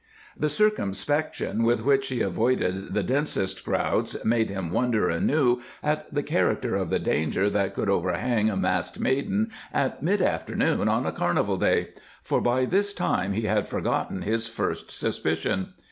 The circumspection with which she avoided the densest crowds made him wonder anew at the character of the danger that could overhang a masked maiden at mid afternoon on a carnival day, for by this time he had forgotten his first suspicion.